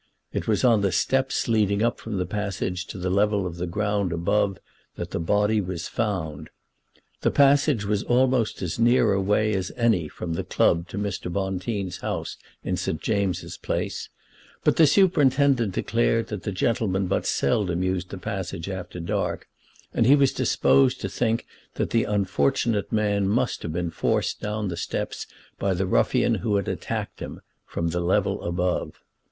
It was on the steps leading up from the passage to the level of the ground above that the body was found. The passage was almost as near a way as any from the club to Mr. Bonteen's house in St. James's Place; but the superintendent declared that gentlemen but seldom used the passage after dark, and he was disposed to think that the unfortunate man must have been forced down the steps by the ruffian who had attacked him from the level above.